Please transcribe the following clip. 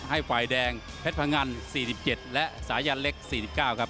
ให้ไฟแดงแพทย์พังอันสี่สิบเจ็ดและสายยาเล็กสี่สิบเก้าครับ